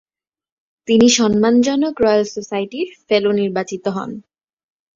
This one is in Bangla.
তিনি সম্মান জনক রয়েল সোসাইটির ফেলো নির্বাচিত হন।